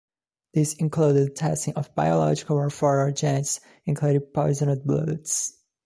This included testing of biological warfare agents, including poisoned bullets.